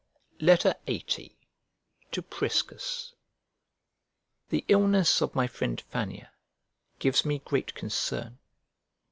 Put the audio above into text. LXXX To PRISCUS THE illness of my friend Fannia gives me great concern.